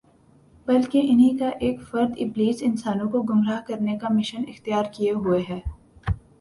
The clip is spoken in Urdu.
بلکہ انھی کا ایک فرد ابلیس انسانوں کو گمراہ کرنے کا مشن اختیار کیے ہوئے ہے